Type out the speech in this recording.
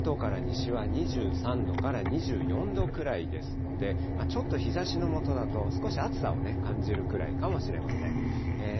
関東から西は２３度から２４度くらいですので、ちょっと日ざしの下だと、少し暑さを感じるくらいかもしれません。